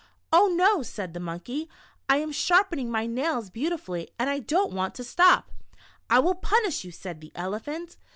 " Oh no," said the Monkey, " I am sharpening my nails beautifully and I dont want to stop." "I will punish you," said the Elephant.